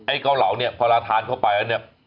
เกาเหลาเนี่ยพอเราทานเข้าไปแล้วเนี่ย